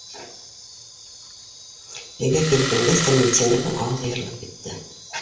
Өйгә килеп ингәс тә, милиционерҙың ауыҙы йырылып китте.